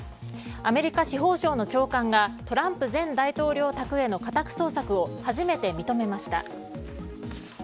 アメリカ司法省の長官がトランプ前大統領宅への家宅捜索を初めて認めました。